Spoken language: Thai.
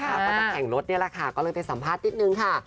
ก็จะแข่งรถนี่แหละค่ะก็เลยไปสัมภาษณ์นิดนึงค่ะ